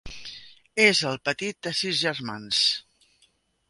És el petit de sis germans.